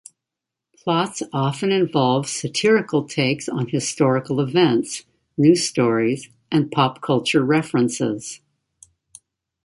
Plots often involved satirical takes on historical events, news stories, and pop culture references.